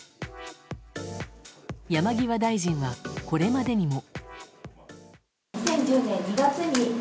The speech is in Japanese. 山際大臣は、これまでにも。